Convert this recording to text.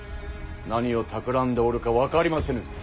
何をたくらんでおるか分かりませぬぞ。